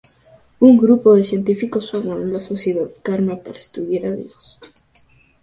Un grupo de científicos formaron la Sociedad Karma para estudiar a Dios.